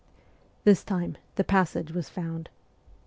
This time the passage was found.